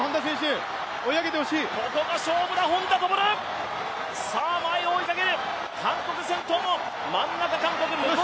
ここが勝負だ本多灯、前を追いかける。